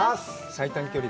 最短距離？